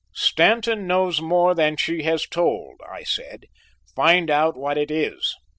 "Stanton knows more than she has told," I said. "Find out what it is."